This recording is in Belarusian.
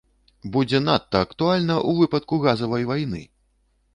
Будзе надта актуальна ў выпадку газавай вайны!